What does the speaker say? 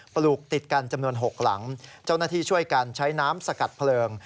ปลูกติดกันจำนวน๖หลังเจ้าหน้าที่ช่วยกันใช้น้ำสกัดเพลิง